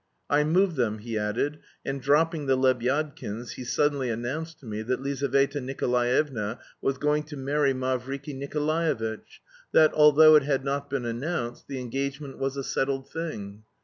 "I moved them," he added, and, dropping the Lebyadkins, he suddenly announced to me that Lizaveta Nikolaevna was going to marry Mavriky Nikolaevitch, that, although it had not been announced, the engagement was a settled thing.